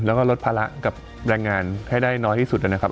แล้วก็ลดภาระกับแรงงานให้ได้น้อยที่สุดนะครับ